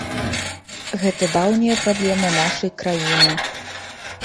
Гэта даўняя праблема нашай краіны.